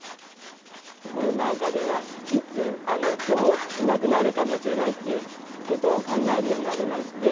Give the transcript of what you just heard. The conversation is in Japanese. コロナ禍ではいつ、きょういなくなるかもしれないっていうことを考えるようになりまして。